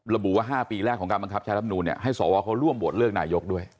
ระบุว่า๕ปีแรกของการบังคับใช้รับนูลให้สวเขาร่วมโหวตเลือกนายกด้วย